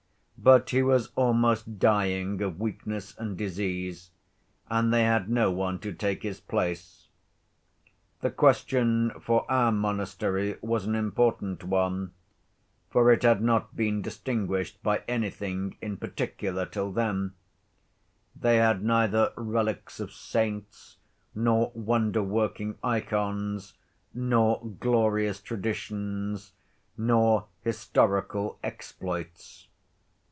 But he was almost dying of weakness and disease, and they had no one to take his place. The question for our monastery was an important one, for it had not been distinguished by anything in particular till then: they had neither relics of saints, nor wonder‐working ikons, nor glorious traditions, nor historical exploits.